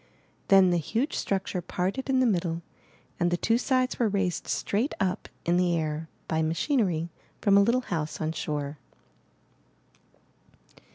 Then the huge structure parted in the middle and the two sides were raised straight up in the air by machinery from a Httle house on shore.